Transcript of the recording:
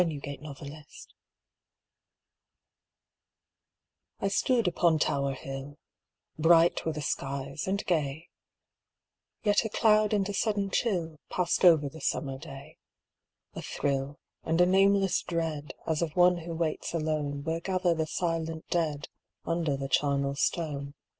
THE PRINCES' CHAMBER I STOOD upon Tower Hill, Bright were the skies and gay^ Yet a cloud and a sudden chill Passed over the summer day — A thrill, and a nameless dread, As of one who waits alone Where gather the silent dead Under the charnel stone.